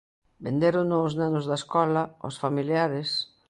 Vendérono os nenos da escola, aos familiares...